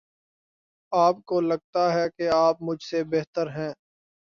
آپ کو لگتا ہے کہ آپ مجھ سے بہتر ہیں۔